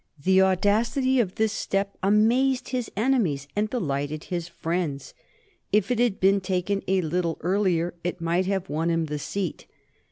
The audacity of this step amazed his enemies and delighted his friends. If it had been taken a little earlier it might have won him the seat.